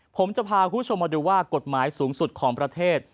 ผมจะพาคุณผู้ชมมาดูว่ากฎหมายสูงสุดของประเทศ